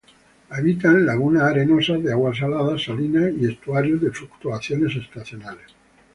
Habita en lagunas arenosas de agua salada, salinas y estuarios de fluctuaciones estacionales.